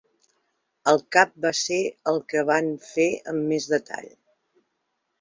El cap va ser el que van fer amb més detall.